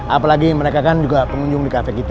apalagi mereka kan juga pengunjung di kafe kita